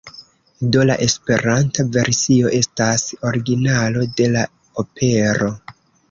Do la Esperanta versio estas originalo de la opero.